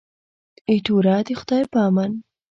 ایټوره د خدای په امان.